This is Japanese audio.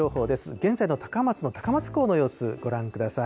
現在の高松の高松港の様子、ご覧ください。